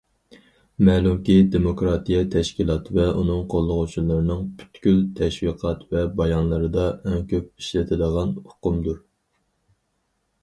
مەلۇمكى، دېموكراتىيە تەشكىلات ۋە ئۇنىڭ قوللىغۇچىلىرىنىڭ پۈتكۈل تەشۋىقات ۋە بايانلىرىدا ئەڭ كۆپ ئىشلىتىدىغان ئۇقۇمدۇر.